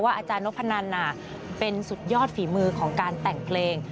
อาจารย์นพนันเป็นสุดยอดฝีมือของการแต่งเพลง